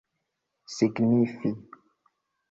signifi